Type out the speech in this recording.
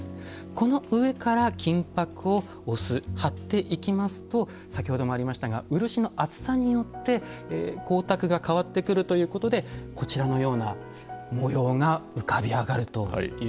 この上から金箔を押す貼っていきますと先ほどもありましたが漆の厚さによって光沢が変わってくるということでこちらのような模様が浮かび上がるということなんですね。